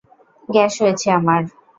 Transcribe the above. Gas হয়েছে আমার।